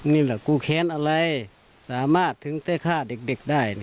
นี่แหละกูแค้นอะไรสามารถถึงได้ฆ่าเด็กได้